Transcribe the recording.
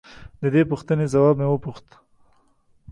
د دې پوښتنې ځواب مې وپوښت.